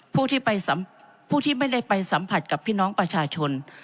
ผู้ที่ไม่ได้ไปสัมผัสกับพี่น้องประชาชน